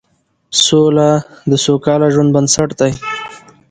سوله د سوکاله ژوند بنسټ دی